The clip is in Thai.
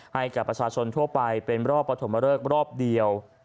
ให้กับประชาชนทั่วไปเป็นรอบปฐมเริกรอบเดียว